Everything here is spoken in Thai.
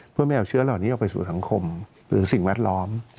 เพื่อไม่เอาเชื้อเหล่านี้ออกไปสู่สังคมหรือสิ่งแวดล้อม